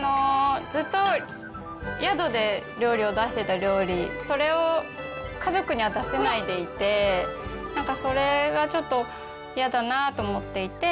ずっと宿で料理を出してた料理、それを家族には出せないでいて、なんかそれがちょっと、嫌だなと思っていて。